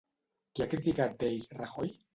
Què ha criticat d'ells Rajoy?